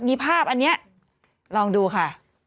มีภาพอันนี้ลองดูค่ะ